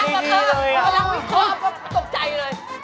รักละเผอร์ตกใจเลย